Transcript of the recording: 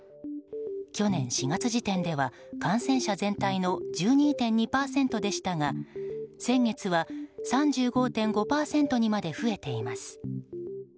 去年４月時点では感染者全体の１２．２％でしたが先月は、３５．５％にまで増えています。